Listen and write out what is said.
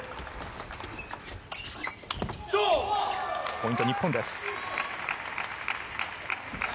ポイント、日本です。